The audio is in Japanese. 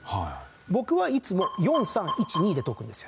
僕はいつも４３１２で解くんですよ。